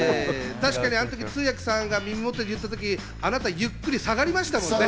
確かにあの時、通訳さんが耳元で言った時、あなたゆっくり下がりましたもんね。